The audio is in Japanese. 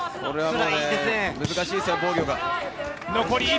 難しいですよ、防御が。